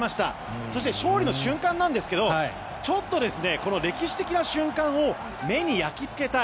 そして勝利の瞬間ですがちょっとこの歴史的な瞬間を目に焼きつけたい。